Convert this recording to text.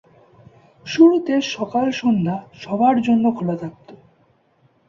শুরুতে সকাল-সন্ধ্যা সবার জন্য খোলা থাকত।